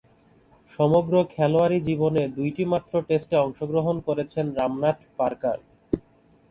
সমগ্র খেলোয়াড়ী জীবনে দুইটিমাত্র টেস্টে অংশগ্রহণ করেছেন রামনাথ পার্কার।